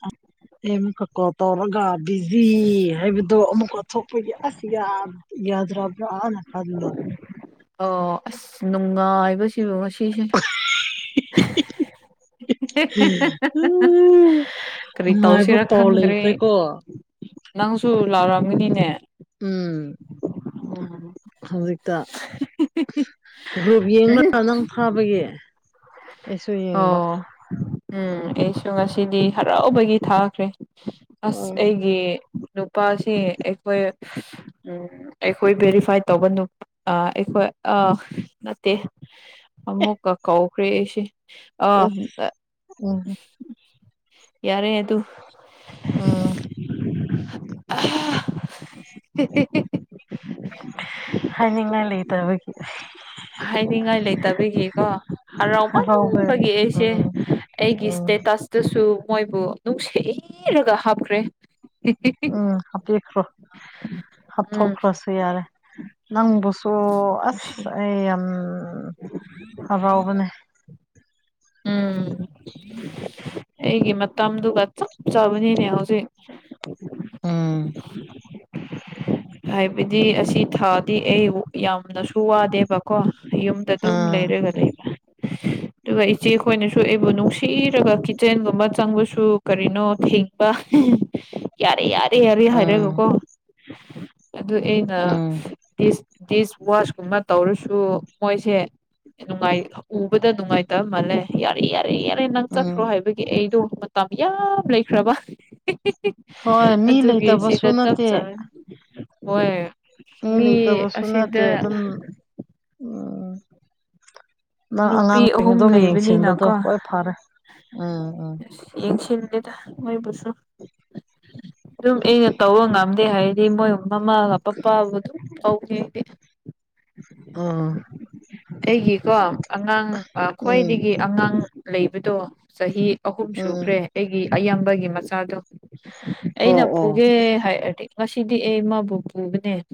[unintelligible] ꯑꯩ ꯑꯃꯨꯛꯀ ꯀꯣꯜ ꯇꯧꯔꯒ ꯕꯤꯖꯤ ꯍꯥꯏꯕꯗꯣ ꯑꯃꯨꯛꯀ ꯊꯣꯛꯄꯒꯤ ꯑꯁ ꯌ ꯌꯥꯗ꯭ꯔꯕꯅ ꯈꯟꯕ ꯑꯣ ꯑꯁ ꯅꯨꯡꯉꯥꯏꯕꯁꯤꯕꯨ ꯉꯁꯤꯁꯦ ꯎꯝ [unintelligible] ꯀꯔꯤ ꯅꯨꯡꯉꯥꯏꯕ ꯇꯧꯁꯤꯔꯥ ꯄꯥꯎ ꯈꯪꯗ꯭ꯔ‌ꯦ ꯂꯩꯈ꯭ꯔꯦꯀꯣ ꯅꯪꯁꯨ ꯂꯥꯛꯔꯝꯃꯤꯅꯤꯅꯦ ꯎꯝ ꯍꯧꯖꯤꯛꯇ ꯒ꯭ꯔꯨꯞ ꯌꯦꯡꯂꯒ ꯅꯪ ꯐꯥꯕꯒꯤ ꯑꯩꯁꯨ ꯌꯦꯡꯕ ꯑꯣ ꯎꯝ ꯑꯩꯁꯨ ꯉꯁꯤꯗꯤ ꯍꯔꯥꯎꯕꯒꯤ ꯊꯥꯈ꯭ꯔꯦ ꯑꯁ ꯎꯝ ꯑꯩꯒꯤ ꯒꯤ ꯅꯨꯄꯥꯁꯤ ꯑꯩꯈꯣꯏ ꯎꯝ ꯑꯩꯈꯣꯏ ꯚꯦꯔꯤꯐꯥꯏ ꯇꯧꯕ ꯅꯨ ꯑ ꯑꯩꯈꯣꯏ ꯑ ꯅꯠꯇꯦ ꯑꯃꯨꯛꯀ ꯀꯧꯈ꯭ꯔꯦ ꯑꯩꯁꯦ ꯑ ꯑꯁ ꯎꯝ ꯌꯥꯔꯦ ꯇꯨ ꯎꯝ [unintelligible] ꯍꯥꯏꯅꯤꯡꯉꯥꯏ ꯂꯩꯇꯕꯒꯤ ꯍꯥꯏꯅꯤꯡꯉꯥꯏ ꯂꯩꯇꯕꯒꯤꯀꯣ ꯍꯔꯥꯎꯃꯟ ꯇꯟ [unintelligible] ꯍꯔꯥꯎꯕꯒꯤ ꯕꯒꯤ ꯑꯩꯁꯦ ꯎꯝ ꯑꯩꯒꯤ ꯎꯝ ꯏꯁꯇꯦꯇꯁ ꯑꯗꯨꯁꯨ ꯃꯣꯏꯕꯨ ꯅꯨꯡꯁꯤꯔꯒ ꯍꯥꯞꯈ꯭ꯔꯦ ꯎꯝ ꯍꯥꯞꯄꯤꯈ꯭ꯔꯣ ꯎꯝ ꯍꯥꯞꯊꯣꯛꯈ꯭ꯔꯥꯁꯨ ꯌꯥꯔꯦ ꯅꯪꯕꯨꯁꯨ ꯅꯨꯡꯁꯤ ꯑꯁ ꯑꯩ ꯌꯥꯝ ꯍꯔꯥꯎꯕꯅꯦ ꯎꯝ ꯑꯩꯒꯤ ꯃꯇꯝꯗꯨꯒ ꯆꯞ ꯆꯥꯕꯅꯤꯅꯦ ꯍꯧꯖꯤꯛ ꯎꯝ [unintelligible] [inaudible] ꯍꯥꯏꯕꯗꯤ ꯑꯁꯤ ꯊꯥꯗꯤ ꯑꯩ ꯌꯥꯝꯅꯁꯨ ꯋꯥꯗꯦꯕꯀꯣ ꯌꯨꯝ ꯗꯑꯗꯨꯝ ꯎꯝ ꯂꯩꯔꯒ ꯂꯩꯕ ꯑꯗꯨꯒ ꯆꯦꯈꯣꯏꯅꯁꯨ ꯑꯩꯕꯨ ꯅꯨꯡꯁꯤꯔꯒ ꯀꯤꯠꯆꯦꯟꯒꯨꯝꯕ ꯆꯪꯕꯁꯨ ꯀꯔꯤꯅꯣ ꯊꯤꯡꯕ ꯌꯥꯔꯦ ꯌꯥꯔꯦ ꯌꯥꯔꯦ ꯎꯝ ꯍꯥꯏꯔꯒꯀꯣ ꯑꯗꯨ ꯑꯩꯅ ꯎꯝ ꯗꯤꯁ ꯋꯥꯁ ꯀꯨꯝꯕ ꯇꯧꯔꯁꯨ ꯃꯣꯏꯁꯦ ꯅꯨꯡꯉꯥꯏ ꯎꯕꯗ ꯅꯨꯡꯉꯥꯏꯇꯕ ꯃꯜꯂꯦ ꯌꯥꯔꯦ ꯌꯥꯔꯦ ꯌꯥꯔꯦ ꯅꯪ ꯆꯠꯈ꯭ꯔꯣ ꯎꯝ ꯍꯥꯏꯕꯒꯤ ꯑꯩꯗꯣ ꯃꯇꯝ ꯌꯥꯝ ꯂꯩꯈ꯭ꯔꯕ ꯍꯣꯏ ꯃꯤ ꯑꯗꯨꯒꯤ ꯂꯩꯇꯕꯁꯨ ꯁꯤꯗ ꯇꯞ ꯅꯠꯇꯦ ꯆꯥꯅ ꯍꯣꯏ ꯃꯤ ꯂꯩꯇꯕꯁꯨ ꯑꯁꯤ ꯅꯠꯇꯦ ꯗ ꯑꯗꯨꯝ [unintelligible] ꯅꯪ ꯅꯨꯄꯤ ꯑꯉꯥꯡꯁꯤꯡ ꯑꯍꯨꯝ ꯑꯗꯨꯝ ꯌꯦꯡꯁꯤꯟꯕꯗꯣ ꯂꯩꯕꯅꯤꯅꯀꯣ ꯍꯣꯏ ꯐꯔꯦ ꯎꯝ ꯎꯝ ꯑꯁ ꯌꯦꯡꯁꯤꯟꯗꯦꯗ ꯃꯣꯏꯕꯨꯁꯨ ꯑꯗꯨꯝ ꯑꯩꯅ ꯇꯧꯕ ꯉꯝꯃꯤ ꯑꯩ ꯍꯥꯏꯗꯤ ꯃꯣꯏ ꯃꯃꯥꯒ ꯄꯄꯥꯒ ꯑꯗꯨꯝ ꯇꯧꯒꯦ ꯍꯥꯏꯗꯤ ꯎꯝ ꯑꯩꯒꯤꯀꯣ ꯑꯉꯥꯡ ꯎꯝ ꯎꯝ ꯈ꯭ꯋꯥꯏꯗꯒꯤ ꯑꯉꯥꯡ ꯂꯩꯕꯗꯣ ꯆꯍꯤ ꯑꯍꯨꯝ ꯎꯝ ꯁꯨꯈ꯭ꯔꯦ ꯑꯩꯒꯤ ꯑꯌꯥꯝꯕꯒꯤ ꯃꯆꯥꯗꯣ ꯑꯣ ꯑꯩꯅ ꯑꯣ ꯄꯨꯒꯦ ꯍꯥꯏꯔꯗꯤ ꯉꯁꯤꯗꯤ ꯑꯩ ꯃꯥꯕꯨ ꯄꯨꯕꯅꯦ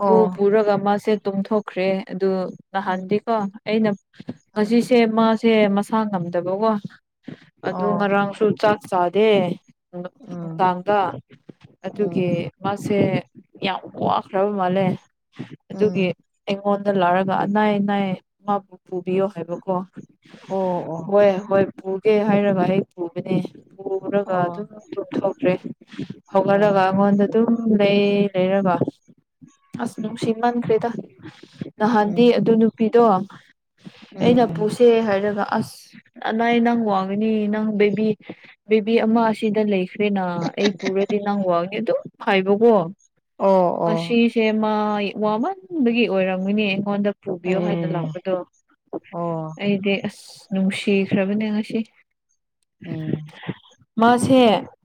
ꯄꯨ ꯄꯨꯔꯒ ꯃꯥꯁꯦ ꯇꯨꯝꯊꯣꯛ ꯍꯧꯈ꯭ꯔꯦ ꯑꯗꯨ ꯎꯝ ꯅꯍꯥꯟꯗꯤꯀꯣ ꯑꯩꯅ ꯎꯝ ꯉꯁꯤ ꯁꯦ ꯃꯥꯁꯦ ꯃꯁꯥ ꯉꯝꯗꯕꯀꯣ ꯑꯗꯨ ꯑꯣ ꯉꯔꯥꯡꯁꯨ ꯆꯥꯛ ꯆꯥꯗꯦ ꯎꯝ ꯅꯨꯡꯗꯥꯡꯗ ꯎꯝ ꯑꯗꯨꯒꯤ ꯃꯥꯁꯦ ꯌꯥꯝ ꯋꯥꯈ꯭ꯔꯕ ꯃꯥꯜꯂꯦ ꯑꯗꯨꯒꯤ ꯎꯝ ꯃꯉꯣꯟꯗ ꯂꯥꯛꯔꯒ ꯑꯅꯥꯏ ꯑꯅꯥꯏ ꯃꯥꯕꯨ ꯄꯨꯕꯤꯌꯣ ꯍꯥꯏꯕꯀꯣ ꯑꯣ ꯑꯣ ꯍꯣꯏ ꯍꯣꯏ ꯄꯨꯒꯦ ꯍꯥꯏꯅꯕ ꯑꯩ ꯄꯨꯕꯅꯤ ꯄꯨꯔꯒ ꯑꯣ ꯑꯗꯨꯝ ꯍꯧꯈ꯭ꯔꯦ ꯍꯧꯍꯠꯂꯒ ꯑꯥ ꯑꯩꯉꯣꯟꯗ ꯑꯗꯨꯝ ꯎꯝ ꯂꯩ ꯂꯩꯔꯕ ꯑꯁ ꯅꯨꯡꯁꯤꯃꯟꯈ꯭ꯔꯦꯗ ꯎꯝ ꯅꯍꯥꯟꯗꯤ ꯑꯗꯨ ꯅꯨꯄꯤꯗꯣ ꯑꯩꯅ ꯄꯨꯁꯦ ꯍꯥꯏꯔꯒ ꯑꯁ ꯑꯅꯥ ꯅꯪ ꯋꯥꯒꯅꯤ ꯅꯪ ꯕꯦꯕꯤ ꯕꯦꯕꯤ ꯑꯃ ꯑꯁꯤꯗ ꯂꯩꯈ꯭ꯔꯦꯅ ꯑꯩ ꯄꯨꯔꯗꯤ ꯅꯪ ꯋꯥꯅꯤ ꯑꯗꯨꯝ ꯍꯥꯏꯕꯀꯣ ꯑꯣ ꯑꯣ ꯑꯁꯤꯁꯦ ꯃꯥ ꯋꯥꯃꯟꯕꯗꯒꯤ ꯑꯣꯏꯔꯝꯒꯅꯤ ꯑꯩꯉꯣꯟꯗ ꯄꯨꯕꯤꯌꯣ ꯍꯥꯏꯅ ꯑꯦ ꯂꯥꯛꯄꯗꯣ ꯑꯣ ꯑꯩꯗꯤ ꯑꯁ ꯅꯨꯡꯁꯤꯈ꯭ꯔꯕꯅꯦ ꯉꯁꯤ ꯎꯝ ꯃꯥꯁꯦ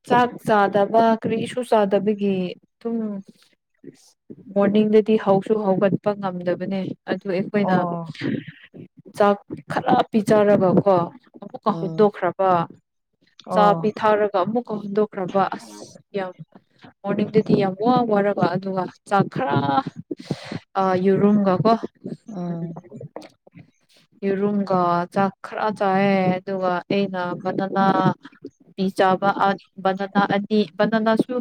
ꯆꯥꯛ ꯆꯥꯗꯕ ꯀꯔꯤꯁꯨ ꯆꯥꯗꯕꯒꯤ ꯑꯗꯨꯝ ꯃꯣꯔꯅꯤꯡꯗꯗꯤ ꯍꯧꯁꯨ ꯍꯧꯒꯠꯄ ꯉꯝꯗꯕꯅꯦ ꯑꯗꯨ ꯑꯩꯈꯣꯏꯅ ꯑꯣ ꯆꯥꯛ ꯈꯔ ꯄꯤꯖꯔꯒꯀꯣ ꯑꯃꯨꯛꯀ ꯎꯝ ꯍꯨꯗꯣꯛꯈ꯭ꯔꯕ ꯆꯥ ꯑꯣ ꯄꯤ ꯊꯥꯔꯒ ꯑꯃꯨꯛꯀ ꯍꯨꯟꯗꯣꯛꯈ꯭ꯔꯕ ꯑꯁ ꯌꯥꯝ ꯃꯣꯔꯅꯤꯡꯗꯗꯤ ꯌꯥꯝ ꯋꯥ ꯋꯥꯔꯕ ꯑꯗꯨꯒ ꯆꯥꯛ ꯈꯔ ꯑ ꯌꯨꯔꯨꯝꯒ ꯀꯣ ꯎꯝ ꯌꯦꯔꯨꯝꯒ ꯆꯥꯛ ꯈꯔ ꯆꯥꯏꯑꯦ ꯑꯗꯨꯒ ꯑꯩꯅ ꯕꯅꯅꯥ ꯄꯤꯖꯥꯕ ꯕꯅꯅꯥ ꯑꯅꯤ ꯕꯅꯅꯥꯁꯨ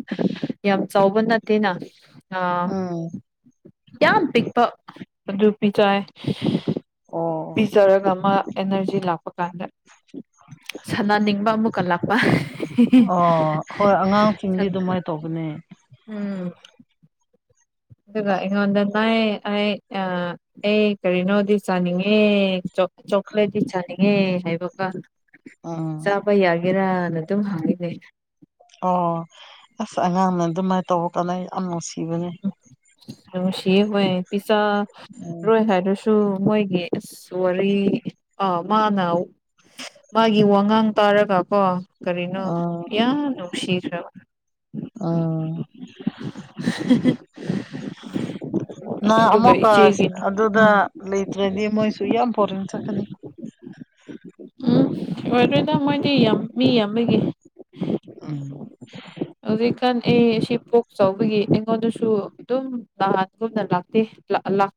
ꯌꯥꯝ ꯆꯥꯎꯕ ꯅꯠꯇꯦꯅ ꯑ ꯎꯝ ꯌꯥꯝ ꯄꯤꯄ ꯑꯗꯨ ꯄꯤꯇꯩ ꯑꯣ ꯄꯤꯖꯔꯒ ꯑꯃ ꯑꯦꯅꯔꯖꯤ ꯂꯥꯛꯄ ꯀꯥꯟꯗ ꯁꯥꯟꯅꯅꯤꯡꯕ ꯑꯃꯨꯛ ꯀꯂꯥꯛꯄ ꯑꯣ ꯍꯣꯏ ꯑꯉꯥꯡꯁꯤꯡꯗꯤ ꯑꯗꯨꯃꯥꯏꯅ ꯇꯧꯕꯅꯦ ꯎꯝ ꯑꯗꯨꯒ ꯑꯩꯉꯣꯟꯗ ꯅꯌꯦ ꯅꯌꯦ ꯑ ꯑꯦ ꯀꯔꯤꯅꯣꯗꯤ ꯆꯥꯅꯤꯡꯉꯦ ꯆꯣꯀ꯭ꯂꯦꯠꯇꯤ ꯆꯥꯅꯤꯡꯉꯦ ꯍꯥꯏꯕꯒ ꯑ ꯕꯩ ꯌꯥꯒꯦꯔꯥꯅ ꯑꯗꯨꯝ ꯍꯪꯉꯅꯦ ꯑꯣ ꯑꯁ ꯑꯉꯥꯡꯅ ꯑꯗꯨꯃꯥꯏꯅ ꯇꯧꯕꯔ ꯀꯥꯟꯩ ꯌꯥꯝ ꯅꯨꯡꯁꯤꯕꯅꯦ ꯑ ꯁꯤ ꯍꯣꯏ ꯄꯤꯁꯥ ꯔꯣꯏ ꯍꯥꯏꯔꯁꯨ ꯑꯗꯨ ꯃꯣꯏꯒꯤ ꯁꯔꯤ ꯑ ꯃꯥꯅ ꯃꯥꯒꯤ ꯋꯥꯉꯥꯡ ꯇꯥꯔꯒꯀꯣ ꯀꯔꯤꯅꯣ ꯑꯥ ꯌꯥꯝ ꯅꯨꯡꯁꯤꯈ꯭ꯔꯕ ꯑ [unintelligible] ꯑꯗꯨꯒ ꯑꯃꯨꯛꯀ ꯏꯆꯦꯒꯤ ꯑꯗꯨꯗ ꯎꯝ ꯂꯩꯇ꯭ꯔꯗꯤ ꯃꯣꯏꯁꯨ ꯌꯥꯝ ꯕꯣꯔꯤꯡ ꯆꯠꯀꯅꯤ ꯎꯝ ꯂꯣꯏꯈ꯭ꯔꯦꯗ ꯃꯣꯏꯗꯤ ꯌꯥꯝ ꯃꯤ ꯌꯥꯝꯕꯒꯤ ꯎꯝ [unintelligible] ꯍꯧꯖꯤꯛꯀꯥꯟ ꯑꯩ ꯁꯤ ꯄꯣꯛ ꯆꯥꯎꯕꯒꯤ ꯑꯩꯉꯣꯟꯗꯁꯨ ꯑꯗꯨꯝ ꯅꯍꯥꯟꯒꯨꯝꯅ ꯂꯥꯛꯇꯦ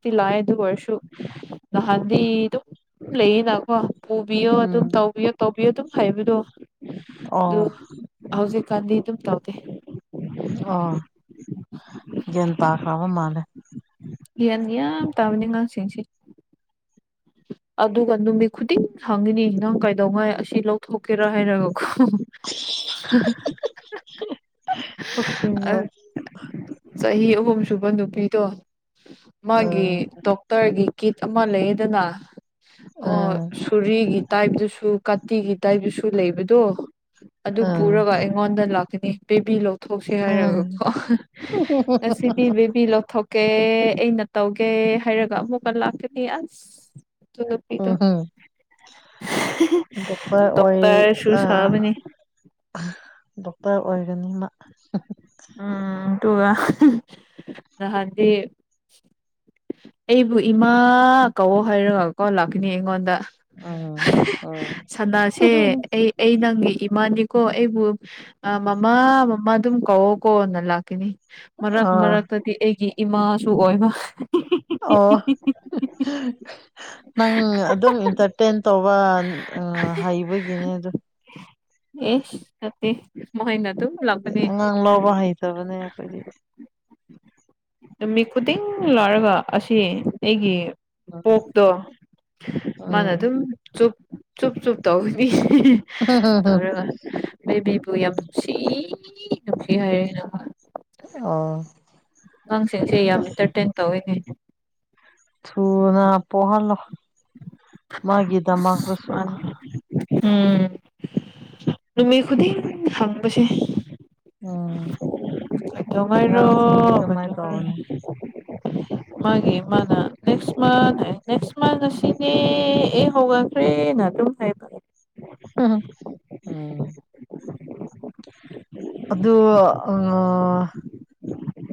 ꯇꯤ ꯂꯥꯛꯑ ꯑꯗꯨ ꯑꯣꯏꯔꯁꯨ ꯅꯍꯥꯟꯗꯤ ꯑꯗꯨꯝ ꯂꯩꯌꯦꯅꯀꯣ ꯄꯨꯕꯤꯌꯣ ꯑꯗꯨꯝ ꯎꯝ ꯇꯧꯕꯤꯌꯣ ꯇꯧꯕꯤꯌꯣ ꯑꯗꯨꯝ ꯍꯥꯏꯕꯗꯣ ꯑꯗꯨ ꯑꯣ ꯍꯧꯖꯤꯛ ꯀꯗꯤꯤ ꯑꯗꯨꯝ ꯇꯧꯗꯦ ꯑꯣ ꯒꯟ ꯇꯥꯈ꯭ꯔꯕ ꯃꯥꯜꯂꯦ ꯌꯦ ꯇꯕꯅꯤꯡꯉ ꯁꯤꯁꯤꯦ ꯑꯗꯨꯒ ꯅꯨꯃꯤꯠ ꯈꯨꯗꯤꯡ ꯍꯪꯉꯤꯅꯤ ꯅꯪ ꯀꯩꯗꯧꯉꯥꯏ ꯑꯁꯤ ꯂꯧꯊꯣꯛꯀꯦꯔꯥ ꯍꯥꯏꯔꯒꯀꯣ ꯑꯁꯦꯡꯕ [unintelligible] ꯆꯍꯤ ꯑꯍꯨꯝ ꯁꯨꯕ ꯅꯨꯄꯤꯗꯣ ꯃꯥꯒꯤ ꯑꯥ ꯇꯔꯒꯤ ꯀꯤꯠ ꯑꯃ ꯂꯩꯗꯅ ꯑꯣ ꯑꯥ ꯁꯣꯔꯤꯒꯤ ꯇꯥꯏꯞꯇꯁꯨ ꯀꯥꯇꯤꯒꯤ ꯇꯥꯏꯞꯇꯁꯨ ꯂꯩꯕꯗꯣ ꯑꯗꯨ ꯑꯥ ꯄꯨꯔꯒ ꯑꯩꯉꯣꯟꯗ ꯂꯥꯛꯀꯅꯤ ꯕꯦꯕꯤ ꯂꯧ ꯂꯧꯊꯣꯛꯁ ꯑꯥ ꯍꯥꯏꯔꯒꯀꯣ ꯉꯁꯤꯗꯤ ꯕꯦꯕꯤ ꯂꯧꯣꯊꯣꯛ ꯀꯦ ꯑꯩꯅ ꯇꯧꯒꯦ ꯍꯥꯏꯔꯒ ꯑꯃꯨꯛꯀ ꯂꯥꯛꯀꯅꯤ ꯑꯁ ꯂꯄꯤꯤꯗ ꯎꯝꯍꯨꯝ ꯗꯣꯛꯇꯔ ꯑꯣꯏ ꯗꯣꯛꯇꯔꯁꯨ ꯑꯥ ꯁꯔꯕꯤꯅꯤ ꯗꯣꯛꯇꯔ ꯑꯣꯏꯔꯅꯤꯅ ꯎꯝ ꯅꯍꯥꯟꯗꯤ ꯑꯩꯕꯨ ꯏꯃꯥ ꯀꯧ ꯍꯥꯏꯔꯒꯀꯣ ꯂꯥꯛꯀꯅꯤ ꯑꯩꯉꯣꯟꯗ ꯎꯝ ꯎꯝ ꯁꯟꯅꯥꯁꯦ ꯑꯩ ꯑꯩ ꯅꯪꯒꯤ ꯏꯃꯥꯅꯤꯀꯣ ꯑꯩꯕꯨ ꯑ ꯃꯃꯥ ꯃꯃꯥ ꯑꯗꯨꯝ ꯀꯧꯑꯣ ꯀꯣꯅ ꯂꯥꯛꯈꯤꯅꯤ ꯃꯔꯛ ꯑꯥ ꯃꯔꯛꯇꯗꯤ ꯑꯩꯒꯤ ꯏꯃꯥꯁꯨ ꯑꯣꯏꯕ ꯑꯣ [unintelligible] ꯅꯪ ꯑꯗꯨꯝ ꯏꯟꯇꯔꯇꯦꯟ ꯇꯧꯕ ꯍꯩꯕꯒꯤꯅꯦ ꯑ ꯑꯦꯁ ꯁꯦ ꯃꯅ ꯍꯥꯏꯗꯤ ꯑꯉꯥꯡ ꯂꯥꯎꯕ ꯍꯩꯇꯕꯅꯦ ꯑꯩꯈꯣꯏꯗꯤ ꯅꯨꯃꯤꯠ ꯈꯨꯗꯤꯡ ꯂꯥꯔꯒ ꯑꯁꯤ ꯑꯩꯒꯤ ꯎꯝ ꯄꯣꯛꯇꯣ ꯃꯥꯅ ꯎꯝ ꯑꯗꯨꯝ ꯆꯨꯞ ꯆꯨꯞ ꯆꯨꯞ ꯇꯧꯒꯅꯤ ꯑꯗꯨꯔꯒ ꯕꯦꯕꯤꯕꯨ ꯌꯥꯝ ꯅꯨꯡꯁꯤ ꯅꯨꯡꯁꯤ ꯍꯥꯏꯔꯦꯅ ꯑꯥ ꯑꯉꯥꯡꯁꯤꯡꯁꯦ ꯌꯥꯝ ꯏꯟꯇꯔꯇꯦꯟ ꯇꯧꯋꯅꯦ ꯁꯅ ꯄꯣꯍꯜꯂꯣ ꯎꯝ ꯅꯨꯃꯤꯠꯈꯨꯗꯤꯡ ꯍꯪꯕꯁꯦ ꯑꯣ ꯇꯉꯥꯏꯔꯣ ꯑꯗꯨꯃꯥꯏꯅ ꯀꯉ ꯇꯧꯕꯅꯦ [inaudible] ꯃꯥꯒꯤ ꯃꯥꯅ ꯅꯦꯛꯁ ꯃꯊ ꯍꯥꯏ ꯅꯦꯛꯁ ꯃꯟ ꯑꯁꯤꯅꯦ ꯑꯦ ꯍꯒ ꯇꯦ ꯅ ꯑꯗꯨꯝ ꯍꯥꯏꯔꯦ ꯎꯝ ꯑꯗꯨ ꯎ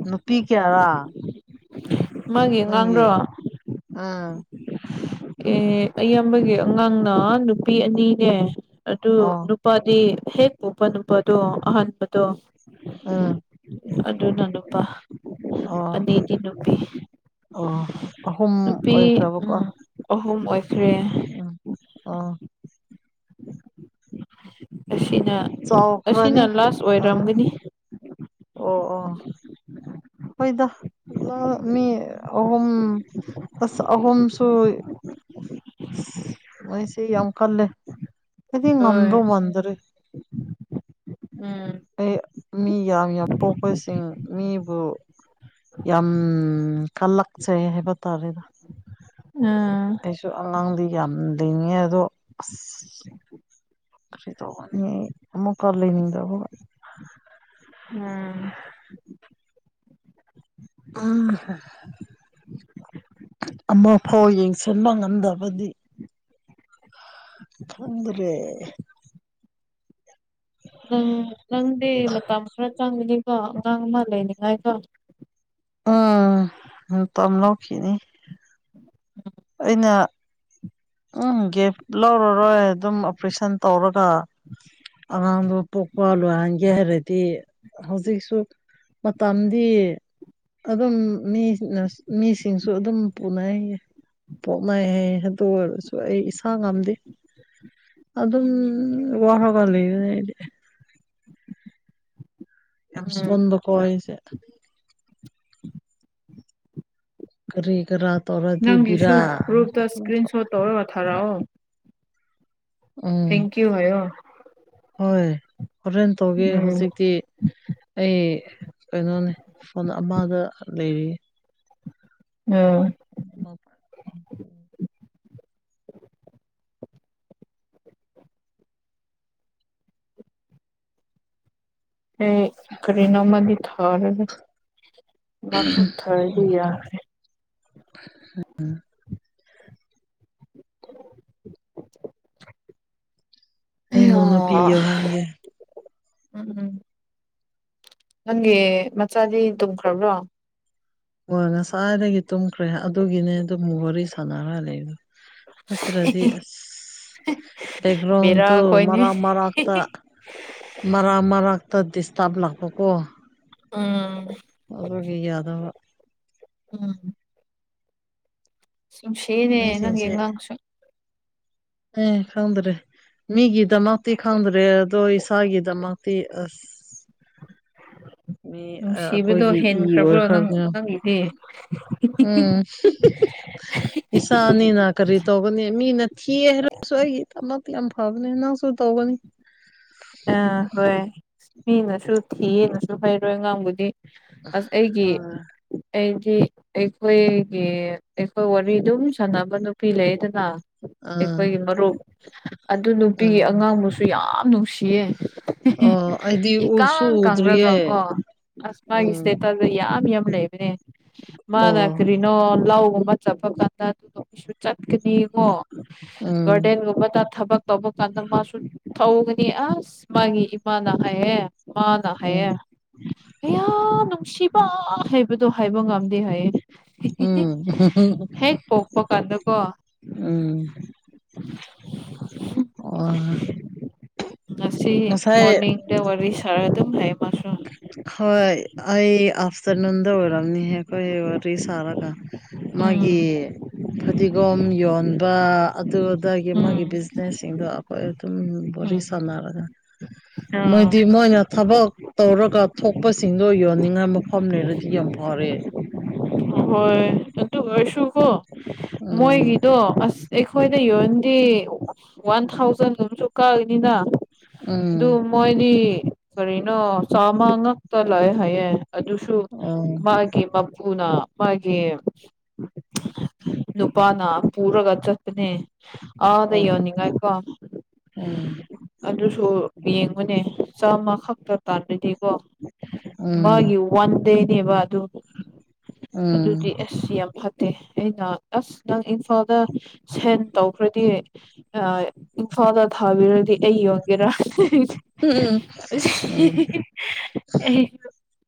ꯅꯨꯄꯤ ꯀꯌꯥꯔꯥ ꯃꯥꯒꯤ ꯅꯪꯒꯤ ꯑꯉꯥꯡꯔꯣ ꯑꯥ ꯑꯦ ꯑꯌꯥꯝꯕꯒꯤ ꯑꯉꯥꯡꯅ ꯅꯨꯄꯤ ꯑꯅꯤꯅꯦ ꯑꯗꯨ ꯑꯣ ꯎꯄꯥꯗꯤ ꯍꯦꯛ ꯎꯄ ꯅꯨꯕꯗꯨꯣ ꯑꯍꯥꯟꯕꯗꯨꯣ ꯑꯥ ꯑꯗꯨꯗ ꯅꯅꯄꯥ ꯑꯣ ꯑꯅꯤꯗꯤ ꯅꯨꯄꯤ ꯑꯣ ꯑꯍꯨꯝ ꯅꯨꯄꯤ ꯑꯣꯏꯈ꯭ꯔꯕꯀꯣ ꯎꯝ ꯑꯍꯨꯝ ꯑꯣꯏꯈ꯭ꯔꯦ ꯎꯝ ꯑꯣ ꯑꯁꯤꯅ ꯑꯁꯤꯅ ꯆꯥꯎꯈ꯭ꯔꯅꯤ ꯂꯥꯁ ꯑ ꯑꯣꯏꯔꯝꯒꯅꯤ ꯑꯣ ꯑꯣ ꯍꯣꯏꯗ ꯑꯃ ꯃꯤ ꯑꯍꯨꯝ ꯑꯁ ꯑꯍꯨꯝꯁꯨ ꯃꯣꯏꯁꯤ ꯌꯥꯝ ꯀꯜꯂꯦ ꯑꯩꯗꯤ ꯍꯣꯏ ꯉꯝꯗꯣ ꯃꯟꯗꯔꯦ ꯎꯝ ꯑꯩ ꯃꯤ ꯌꯥꯝ ꯌꯥꯝ ꯄꯣꯛꯄꯁꯤꯡ ꯃꯤꯕꯨ ꯌꯥꯝ ꯀꯜꯂꯛꯆꯩ ꯍꯥꯏꯕ ꯇꯥꯔꯦꯗ ꯑꯥ ꯑꯩꯁꯨ ꯑꯉꯥꯡꯗꯤ ꯌꯥꯝ ꯂꯉꯦ ꯑꯗꯣ ꯑꯁ ꯀꯔꯤ ꯇꯧꯅꯤ ꯑꯃꯨꯛꯀ ꯂꯩꯅꯤꯡꯗꯕ ꯎꯝ ꯎꯝ ꯍ ꯑꯃꯐꯥꯎ ꯌꯦꯡꯁꯤꯟꯕ ꯉꯝꯗꯕꯗꯤ ꯈꯗ꯭ꯔꯦ ꯅꯪ ꯅꯪꯗꯤ ꯃꯇꯝ ꯈꯔ ꯆꯪꯒꯅꯤꯀꯣ ꯑꯉꯥꯡ ꯑꯃ ꯂꯩꯅꯤꯡꯉꯥꯏꯀꯣ ꯎꯝ ꯇꯝ ꯂꯧꯥꯎꯈꯤꯅꯤ ꯎꯝ ꯑꯩꯅ ꯎꯝ ꯒꯤꯒꯦꯐ ꯂꯧꯔꯔꯣꯏ ꯑꯗꯨꯝ ꯑꯣꯄꯔꯦꯁꯟ ꯇꯧꯔꯒ ꯑꯉꯥꯡꯗꯨ ꯄꯣꯛꯄ ꯂꯣꯏꯍꯟꯒꯦ ꯍꯥꯏꯔꯗꯤ ꯍꯧꯖꯤꯛꯁꯨ ꯃꯇꯝꯗꯤ ꯑꯗꯨꯝ ꯃꯤꯅ ꯃꯤꯁꯤꯡꯁꯨ ꯑꯗꯨꯝ ꯄꯨꯅꯩꯌꯦ ꯄꯣꯛꯅꯩ ꯍꯥꯏꯌꯦ ꯑꯗꯨ ꯑꯣꯏꯔꯁꯨ ꯑꯩ ꯏꯁꯥ ꯉꯝꯗꯦ ꯑꯗꯨꯝ ꯋꯥꯔꯒ ꯂꯩꯅꯦꯗꯤ ꯌꯥꯝ ꯎꯝ ꯁꯣꯟꯕꯀꯣ ꯑꯩꯁꯦ ꯀꯔꯤ ꯀꯔꯥ ꯇꯧꯔꯗꯤ ꯅꯪꯒꯤꯁꯨ ꯕꯤꯔꯥꯅꯇ ꯒ꯭ꯔꯨꯞꯇ ꯊꯣꯛ ꯏꯁꯀ꯭ꯔꯤꯟ ꯁꯣꯠ ꯇꯧꯔꯒ ꯊꯥꯔꯛꯑꯣ ꯎꯝ ꯀ ꯍꯥꯏꯣ ꯍꯣꯏ ꯍꯣꯔꯦꯟ ꯇꯧꯒꯦ ꯎꯝ ꯍꯧꯖꯤꯛꯇꯤ ꯑꯩ ꯀꯩꯅꯣꯅꯦ ꯐꯣꯟ ꯑꯃꯗ ꯂꯩꯔꯤ ꯎꯝ [inaudible] ꯑꯩ ꯀꯔꯤꯅꯥꯃꯗꯤ ꯊꯥꯔ ꯃꯥꯊ ꯊꯔ ꯍ ꯌꯥ ꯏ ꯑꯌꯥ ꯅꯣꯅꯨ ꯄꯤꯣ ꯍꯥꯏꯒ ꯎꯝ ꯎꯝ ꯅꯪꯒꯤ ꯃꯆꯥꯗꯤ ꯇꯨꯝꯈ꯭ꯔꯕ꯭ꯔꯣ ꯍꯣꯏ ꯉꯁꯥꯏꯗꯒꯤ ꯇꯨꯝꯈ꯭ꯔꯦ ꯑꯗꯨꯒꯤꯅꯦ ꯑꯗꯨꯝ ꯋꯥꯔꯤ ꯁꯥꯟꯅꯔ ꯂꯩꯗꯣ ꯅꯠꯇ꯭ꯔꯗꯤ ꯑ ꯕꯦꯔꯥ ꯗꯦꯒ꯭ꯔꯣꯗꯨ ꯈꯣꯏꯅꯤ ꯃꯔꯔꯛ ꯃꯔꯔꯛ ꯇ ꯃꯔꯛ ꯃꯔꯛꯇ ꯗꯤꯁꯇꯥꯔꯕ ꯂꯥꯛꯄꯀꯣ ꯎꯝ ꯑꯣꯕꯒꯤ ꯌꯥꯗ [unintelligible] ꯁꯨꯝꯁꯤꯦꯅꯦ ꯅꯪ ꯃꯤꯁꯤꯡꯁꯦ ꯌꯦꯡꯥꯡꯁꯨ ꯑ ꯈꯪꯗ꯭ꯔꯔꯤ ꯃꯤꯒꯤꯗꯃꯛꯇꯤ ꯈꯪꯗ꯭ꯔꯦ ꯑꯗꯣ ꯏꯁꯥꯒꯤꯗꯃꯛꯇꯤ ꯑꯁ ꯃꯤ ꯅꯨꯡꯁꯤꯕꯗꯣ ꯑꯩꯈꯣꯏꯒꯤ ꯏ ꯍꯦꯟꯈ꯭ꯔꯕ꯭ꯔꯣ ꯅꯪ ꯑꯣꯏꯈ꯭ꯔꯕꯅ ꯅꯪꯒꯤꯗꯤ ꯎꯝ ꯏꯁꯁꯥꯅꯤꯅꯥ ꯀꯔꯤ ꯇꯒꯅꯤ ꯃꯤ ꯅ ꯀꯦ ꯍꯥꯏꯔꯁꯨ ꯑꯩꯒꯤ ꯑꯃ ꯌꯥꯝ ꯐꯕꯅꯦ ꯅꯪꯁꯨ ꯇꯧꯒꯅꯤ ꯑꯥ ꯍꯣꯏ ꯃꯤꯅꯁꯨ ꯊꯤꯌꯦꯅꯁꯨ ꯍꯩꯔꯣꯏ ꯑꯉꯥꯡꯕꯨꯗꯤ ꯑꯁ ꯑꯩꯒꯤ ꯑꯥ ꯑꯩꯗꯤ ꯑꯩꯈꯣꯏꯒꯤ ꯑꯩꯈꯣꯏ ꯋꯥꯔꯤ ꯑꯗꯨꯝ ꯁꯥꯟꯅꯕ ꯅꯨꯄꯤ ꯂꯩꯗꯅ ꯑꯥ ꯑꯩꯈꯣꯏꯒꯤ ꯃꯔꯨꯞ ꯑꯗꯨ ꯅꯨꯄꯤꯒꯤ ꯎꯝ ꯑꯉꯥꯡꯕꯨꯁꯨ ꯌꯥꯝ ꯅꯨꯡꯁꯤꯌꯦ ꯑꯣ ꯑꯩꯗꯤ ꯏ ꯎꯁꯨ ꯀꯥꯡ ꯀꯥꯡꯈ꯭ꯔꯒ ꯀꯣ ꯎꯗ꯭ꯔꯤꯌꯦ ꯑꯁ ꯎꯝ ꯃꯥꯒꯤꯁꯤꯇꯦ ꯇ ꯌꯥꯝ ꯌꯥꯝ ꯂꯩꯕꯅꯦ ꯃꯥꯗ ꯑꯣ ꯀꯔꯤꯅ ꯅꯣ ꯂꯧꯒꯨꯝꯕ ꯆꯠꯄ ꯀꯥꯟꯗ ꯑꯗꯨꯗ ꯀꯩꯁꯨ ꯆꯠꯀꯅꯤ ꯀꯣ ꯎꯝ ꯒꯔꯗꯦꯟꯒꯨꯝꯕ ꯊꯕꯛ ꯇꯕꯛ ꯀꯥꯟꯗ ꯃꯥꯁꯨ ꯊ ꯑꯁ ꯃꯥꯒꯤ ꯏꯃꯥꯅ ꯍꯥꯏꯌꯦ ꯃꯥꯃꯅ ꯎꯝ ꯍꯥꯏꯌꯦꯦ ꯍꯌꯥ ꯅꯨꯡꯁꯤꯕ ꯍꯥꯏꯕꯗꯣ ꯍꯥꯏꯕ ꯉꯝꯗꯦ ꯍꯥꯏꯌꯦ ꯎꯝ ꯍꯦꯛ ꯄꯣꯄ ꯀꯥꯟꯗꯀꯣ ꯎ ꯎꯝ ꯑꯣ ꯉꯁꯤ ꯉꯁꯥꯏ ꯃꯣꯔꯅꯤꯡꯗ ꯋꯥꯔꯤ ꯁꯥꯔ ꯑꯗꯨꯝ ꯍꯥꯏꯃꯁꯨ ꯍꯣꯏ ꯑꯩ ꯑꯐꯇꯔꯅꯨꯟꯗ ꯑꯣꯏꯔꯝꯅꯤ ꯍꯦ ꯑꯩꯈꯣꯏ ꯑꯣꯏꯔꯤ ꯁꯥꯔꯒ ꯃꯥꯒꯤ ꯎꯝ ꯐꯗꯤꯒꯣꯝ ꯌꯣꯟꯕ ꯑꯗꯨꯗꯒꯤ ꯃꯥꯒꯤ ꯎꯝ ꯕꯤꯖꯤꯅꯦꯁꯁꯤꯡꯗꯣ ꯑꯩꯈꯣꯏ ꯑꯗꯨꯝ ꯋꯔꯤ ꯎꯝ ꯁꯥꯟꯅꯔꯒ ꯑꯥ ꯃꯣꯏꯗꯤ ꯃꯣꯏꯅ ꯊꯕꯛ ꯇꯧꯔꯒ ꯊꯣꯛꯄꯁꯤꯡꯗꯣ ꯌꯣꯟꯅꯤꯡꯉꯥꯏ ꯃꯐꯝ ꯂꯩꯔꯗꯤ ꯌꯥꯝ ꯐꯔꯦ ꯍꯣꯏ ꯑꯗꯨ ꯑꯣꯏꯔꯁꯨꯀꯣ ꯎꯝ ꯃꯣꯏꯒꯤꯗꯣ ꯑꯁ ꯑꯩꯈꯣꯏꯅ ꯌꯣꯟꯗꯤ ꯋꯥꯟ ꯊꯥꯎꯖꯟꯒꯝꯁꯨ ꯀꯛꯑꯅꯤꯅ ꯑꯗꯨ ꯎꯝ ꯃꯣꯏꯗꯤ ꯀꯔꯤꯅꯣ ꯆꯥꯃ ꯉꯛꯇ ꯂꯥꯛꯑ ꯍꯥꯏꯌꯦ ꯑꯗꯨꯁꯨ ꯑꯣ ꯃꯥꯒꯤ ꯃꯄꯨꯅ ꯃꯥꯒꯤ ꯅꯨꯄꯥꯅ ꯄꯨꯔꯒ ꯆꯠꯄꯅꯦ ꯑꯥꯗ ꯑꯣ ꯌꯣꯟꯅꯤꯡꯉꯥꯏꯀꯣ ꯎꯝ ꯑꯗꯨꯁꯨ ꯌꯦꯡꯕꯅꯦ ꯆꯥꯃ ꯈꯛꯇ ꯇꯥꯟꯕꯅꯤꯀꯣ ꯎꯝ ꯃꯥꯒꯤ ꯋꯥꯟ ꯗꯦꯅꯦꯕ ꯑꯗꯨ ꯎꯝ ꯑꯗꯨꯗꯤ ꯑꯁ ꯌꯥꯝ ꯐꯠ ꯇꯦ ꯑꯩꯅ ꯑꯁ ꯅꯪ ꯏꯝꯐꯥꯜꯗ ꯁꯦꯟ ꯇꯧꯈ꯭ꯔꯗꯤ ꯑ ꯏꯝꯐꯥꯗ ꯊꯥꯕꯤꯔꯗꯤ ꯑꯩ ꯑꯣꯏꯒꯦꯔꯥ ꯎꯝ ꯑꯩ